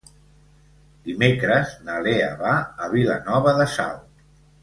Dimecres na Lea va a Vilanova de Sau.